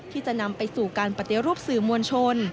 ที่จะนำไปสู่การปฏิรูปสื่อมวลชน